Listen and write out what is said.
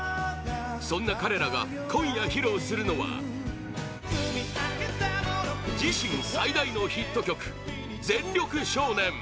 そんな彼らが今夜披露するのは自身最大のヒット曲「全力少年」！